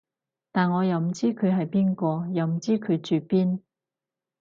但我又唔知佢係邊個，又唔知佢住邊